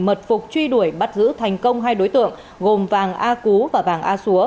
mật phục truy đuổi bắt giữ thành công hai đối tượng gồm vàng a cú và vàng a xúa